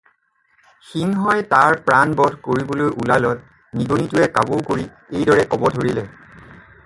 সিংহই তাৰ প্ৰাণবধ কৰিবলৈ ওলালত নিগনিটোৱে কাবৌ কৰি এই দৰে কব ধৰিলে